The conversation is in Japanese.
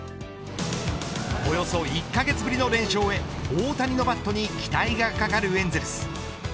およそ１カ月ぶりの連勝へ大谷のバットに期待がかかるエンゼルス。